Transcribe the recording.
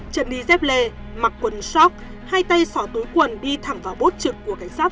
chậm đi dép lề mặc quần shock hay tay sỏ túi quần đi thẳng vào bốt trực của cảnh sát phòng